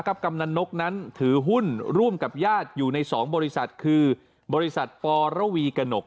กำนันนกนั้นถือหุ้นร่วมกับญาติอยู่ใน๒บริษัทคือบริษัทปรวีกระหนก